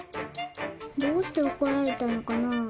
どうして怒られたのかな？